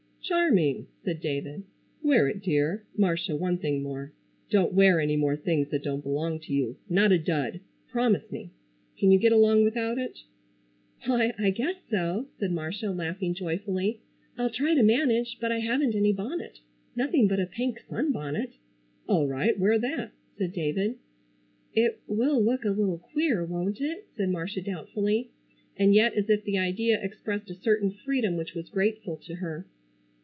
"Charming!" said David. "Wear it, dear. Marcia, one thing more. Don't wear any more things that don't belong to you. Not a Dud. Promise me? Can you get along without it?" "Why, I guess so," said Marcia laughing joyfully. "I'll try to manage. But I haven't any bonnet. Nothing but a pink sunbonnet." "All right, wear that," said David. "It will look a little queer, won't it?" said Marcia doubtfully, and yet as if the idea expressed a certain freedom which was grateful to her.